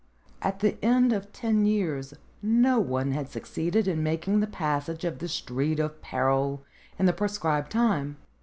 At the end of ten years no one had succeeded in making the passage of the Street of Peril in the pre scribed time.